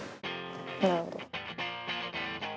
「なるほど」